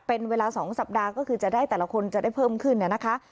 เป็นเวลา๒สัปดาห์ก็คือจะได้แต่ละคนจะได้เพิ่มขึ้นนะคะ